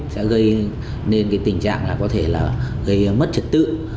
sẽ gây nên cái tình trạng là có thể là gây mất trật tự